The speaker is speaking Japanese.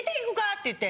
って言って。